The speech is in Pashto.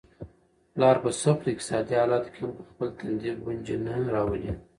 پلار په سختو اقتصادي حالاتو کي هم په خپل تندي ګونجې نه راولي.